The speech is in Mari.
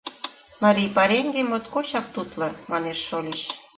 — Марий пареҥге моткочак тутло, манеш шольыч.